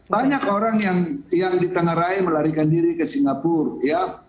banyak orang yang di tengah rai melarikan diri ke singapura ya